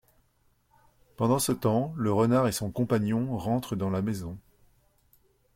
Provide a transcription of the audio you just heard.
Pendant ce temps, le renard et son compagnon rentrent dans la maison.